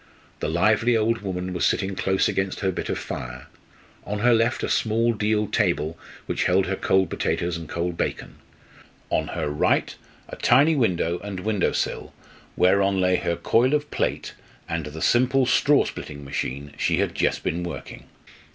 The lively old woman was sitting close against her bit of fire, on her left a small deal table which held her cold potatoes and cold bacon; on her right a tiny window and window sill whereon lay her coil of "plait" and the simple straw splitting machine she had just been working.